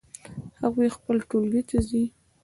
هغوی خپل ټولګی ته ځي